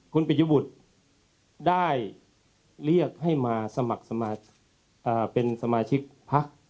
คุณปิยบุตรได้เรียกให้มาสมัครเป็นสมาชิกพัก